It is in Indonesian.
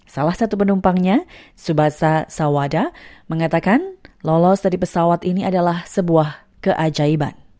salah satu penumpangnya tsubasa sawada mengatakan lolos dari pesawat ini adalah sebuah keajaiban